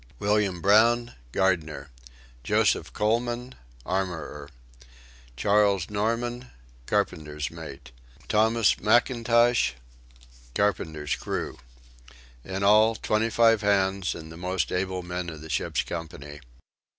William Brown: Gardener. Joseph Coleman: Armourer. Charles Norman: Carpenter's Mate. Thomas McIntosh: Carpenter's Crew. In all 25 hands, and the most able men of the ship's company.